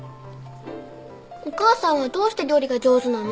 お母さんはどうして料理が上手なの？